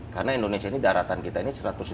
karena indonesia ini daratan kita ini